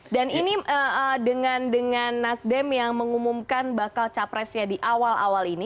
dan ini dengan nasdem yang mengumumkan bakal capresnya di awal awal ini